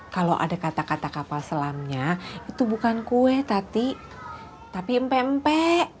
kalo ada kata kata kapal selamnya itu bukan kue tati tapi empe empe